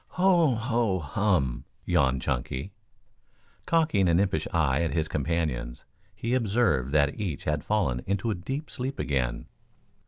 "Ho ho hum!" yawned Chunky. Cocking an impish eye at his companions, he observed that each had fallen into a deep sleep again.